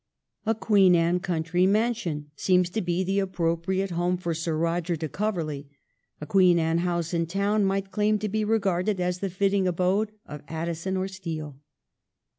A Queen Anne country mansion seems to be the appropriate home for Sir Koger de Coverley ; a Queen Anne house in town might claim to be regarded as the fitting abode of Addison or Steele.